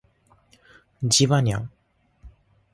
ジバニャン